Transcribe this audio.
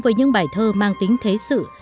với những bài thơ mang tính thế sự